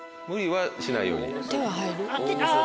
無理はしないように。